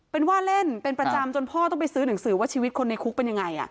เป็นว่าเล่นเป็นประจำจนพ่อต้องไปซื้อหนังสือว่าชีวิตคนในคุกเป็นยังไง